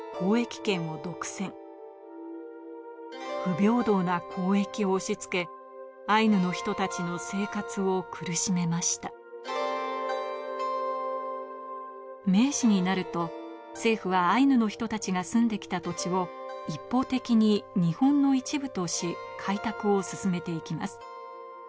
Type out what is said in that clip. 平和な暮らしを送っていたアイヌ民族でしたが明治になると政府はアイヌの人たちが住んで来た土地を一方的に日本の一部とし開拓を進めて行きます